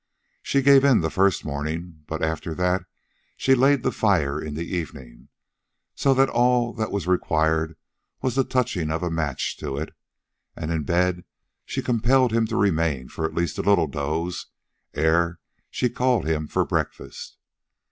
She gave in the first morning, but after that she laid the fire in the evening, so that all that was required was the touching of a match to it. And in bed she compelled him to remain for a last little doze ere she called him for breakfast.